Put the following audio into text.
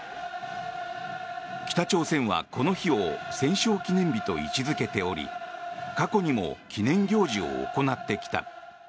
北朝鮮は、この日を戦勝記念日と位置付けており過去にも記念行事を行ってきた。